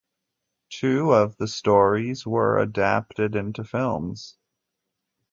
Two of the stories were adapted into films.